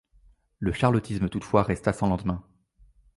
Le charlottisme toutefois resta sans lendemain.